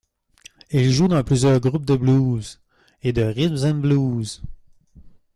Il joue dans plusieurs groupes de blues et de rhythm and blues.